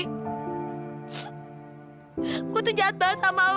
aku itu jahat banget dengan kamu